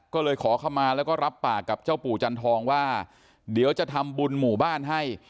ก็เลยขอเข้ามาแล้วก็รับปากกับเจ้าปู่จันทองว่าเดี๋ยวจะทำบุญหมู่บ้านให้